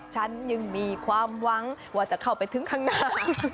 ฉันยังมีความหวังว่าจะเข้าไปถึงข้างหน้า